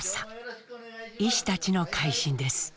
医師たちの回診です。